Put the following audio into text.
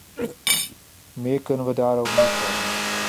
Meer kunnen we daarover niet zeggen.